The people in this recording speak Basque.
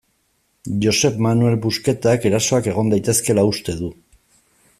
Josep Manel Busquetak erasoak egon daitezkeela uste du.